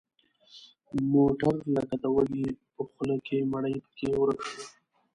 موټر لکه د وږي په خوله کې مړۍ پکې ورک شو.